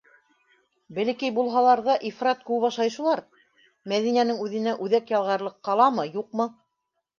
Бәләкәй булһалар ҙа, ифрат күп ашай шулар - Мәҙинәнең үҙенә үҙәк ялғарлыҡ ҡаламы, юҡмы?